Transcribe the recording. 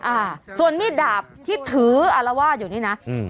อ่าส่วนมีดดาบที่ถืออารวาสอยู่นี่นะอืม